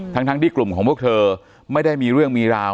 ทั้งที่กลุ่มของพวกเธอไม่ได้มีเรื่องมีราว